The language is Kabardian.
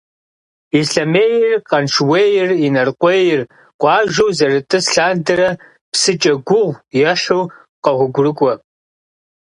Ислъэмейр, Къаншыуейр, Инарыкъуейр къуажэу зэрытӏыс лъандэрэ псыкӏэ гугъу ехьу къогъуэгурыкӏуэ.